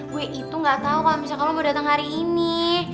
gue itu gak tau kalo misalkan lo mau dateng hari ini